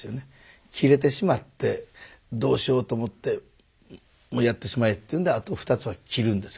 切れてしまって「どうしよう？」と思って「もうやってしまえ」っていうんであと２つは切るんですよ。